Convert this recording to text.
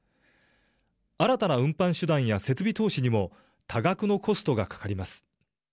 新たな運搬手段や設備投資にも多額のコストがかかります。